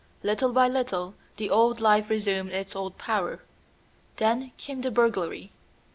Little by little the old life resumed its old power. Then came the burglary.